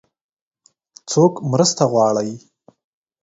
څوک مرسته غواړي؟